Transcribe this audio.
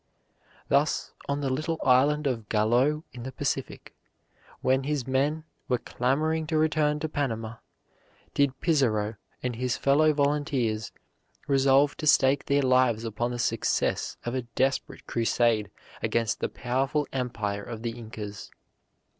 Thus, on the little island of Gallo in the Pacific, when his men were clamoring to return to Panama, did Pizarro and his few volunteers resolve to stake their lives upon the success of a desperate crusade against the powerful empire of the Incas.